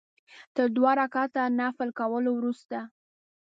تر دوه رکعته نفل کولو وروسته.